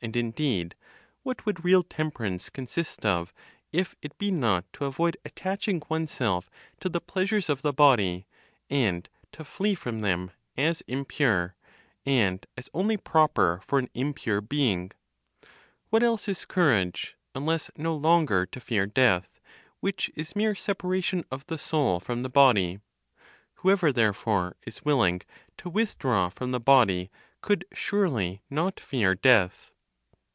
And indeed, what would real temperance consist of, if it be not to avoid attaching oneself to the pleasures of the body, and to flee from them as impure, and as only proper for an impure being? What else is courage, unless no longer to fear death, which is mere separation of the soul from the body? Whoever therefore is willing to withdraw from the body could surely not fear death.